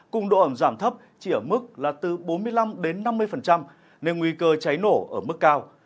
cùng độ ẩm giảm thấp chỉ ở mức là từ bốn mươi năm năm mươi nên nguy cơ cháy nổ ở mức cao